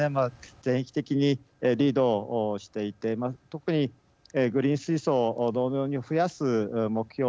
全域的にリードをしていて特にグリーン水素導入を増やす目標